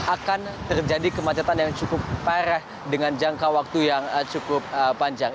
akan terjadi kemacetan yang cukup parah dengan jangka waktu yang cukup panjang